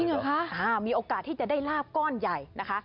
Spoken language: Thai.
เหรอคะมีโอกาสที่จะได้ลาบก้อนใหญ่นะคะ